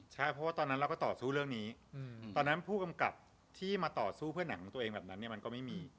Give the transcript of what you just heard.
ใช่เพราะว่าตอนนั้นเราก็ต่อสู้เรื่องนี้ตอนนั้นผู้กำกับที่มาต่อสู้เพื่อหนังตัวเองแบบนั้นเนี่ยมันก็ไม่มี